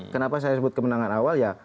kenapa saya sebut kemenangan awal ya